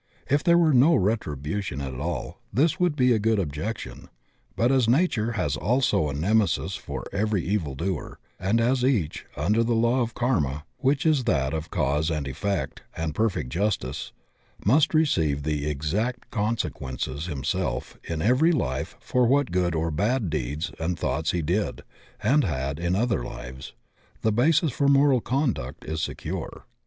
If there were no retribution at all this would be a good objection, but as Natiure has also a Nemesis for every evil doer, and as each, under the law of Karma — ^which is that of cause and effect and perfect justice — ^must receive the exact consequences himself in every life for what good or bad deeds and thoughts he did and had in other lives, the basis for moral conduct is secure.